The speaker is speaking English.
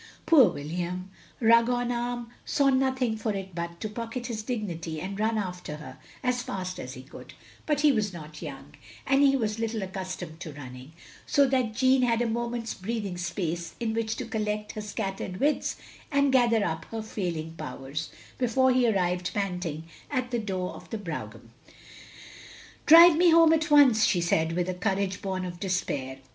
Poor William, rug on arm, saw nothing for it but to pocket his dignity and run after her as fast as he could; but he was not young, and he was little accustomed to running, so that Jeanne had a moment's breathing space in which to collect her scattered wits and gather up her failing powers, before he arrived, panting, at the door of the brougham. "Drive me home at once," she said with a courage bom of despair.